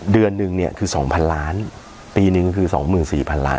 เดือนนึงเนี่ยคือ๒๐๐ล้านปีหนึ่งก็คือ๒๔๐๐ล้าน